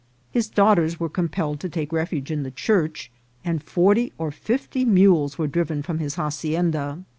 His daughters were compelled to take refuge in the church, and forty or fifty mules were driven from his hacienda.